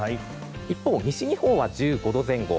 一方、西日本は１５度前後。